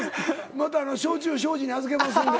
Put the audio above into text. また焼酎ショージに預けますんで。